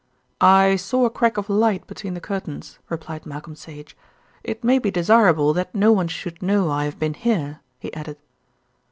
"I saw a crack of light between the curtains," replied Malcolm Sage. "It may be desirable that no one should know I have been here," he added.